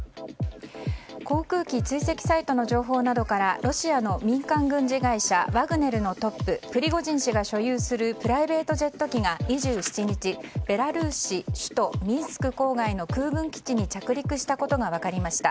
航空機追跡サイトの情報などからロシアの民間軍事会社ワグネルのトッププリゴジン氏が所有するプライベートジェット機が２７日ベラルーシ首都ミンスク郊外の空軍基地に着陸したことが分かりました。